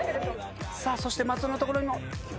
さあそして松尾のところにも。